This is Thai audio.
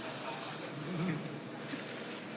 เพราะเรามี๕ชั่วโมงครับท่านนึง